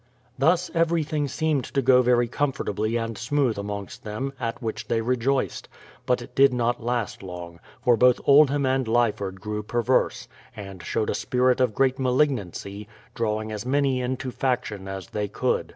Thus everything seemed to go very comfortably and smoothly amongst them, at which they rejoiced. But it did not last long, for both Oldham and Lyford grew perverse, and showed a spirit of great malignancy, drawing as many into faction as they could.